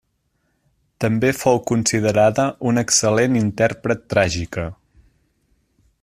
També fou considerada una excel·lent intèrpret tràgica.